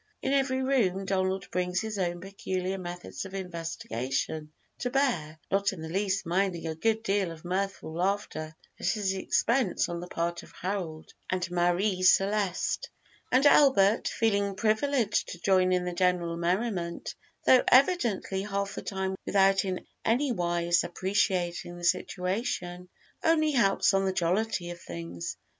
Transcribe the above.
In every room Donald brings his own peculiar methods of investigation to bear, not in the least minding a good deal of mirthful laughter at his expense on the part of Harold and Marie Celeste; and Albert, feeling privileged to join in the general merriment, though evidently half the time without in anywise appreciating the situation, only helps on the jollity of things.